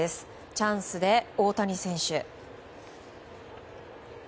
チャンスで大谷選手。